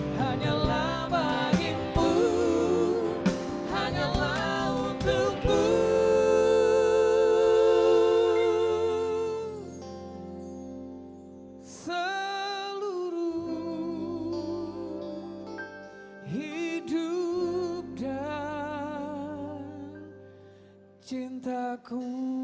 hanyalah bagimu hanyalah untukmu seluruh hidup dan cintaku